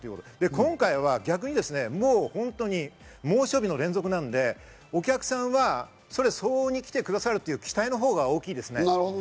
今回は逆に、もう本当に猛暑日の連続なので、お客さんはそれ相応に来てくださるという期待のほうが大きいですね。